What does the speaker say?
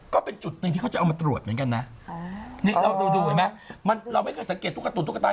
ก็เป็นจุดหนึ่งที่เขาจะเอามาตรวจเหมือนกันนะ